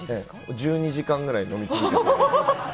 １２時間ぐらい飲み続けて。